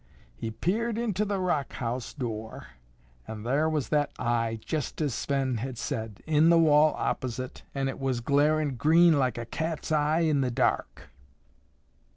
He peered into the rock house door an' thar was that eye, jest as Sven had said, in the wall opposite, an' it was glarin' green like a cat's eye in the dark."